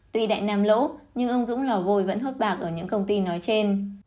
tuy đại nam lỗ nhưng ông dũng lò vôi vẫn hớt bạc ở những công ty nói trên